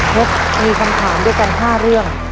พบมีคำถามด้วยกัน๕เรื่อง